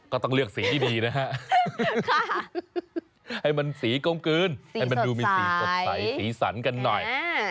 ก็ต้องเลือกสีที่ดีนะฮะให้มันสีกลมกลืนให้มันดูมีสีสดใสสีสันกันหน่อย